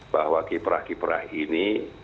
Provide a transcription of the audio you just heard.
bahwa kiprah kiprah ini